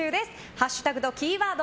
ハッシュタグとキーワード